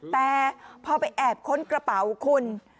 แต่พอไปแอบค้นกระเป๋าคุณ